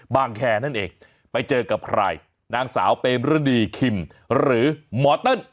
แคร์นั่นเองไปเจอกับใครนางสาวเปรมฤดีคิมหรือหมอเติ้ล